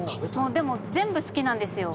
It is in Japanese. でも全部好きなんですよ。